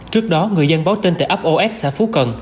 trước đó người dân báo tin tại ấp os xã phú cần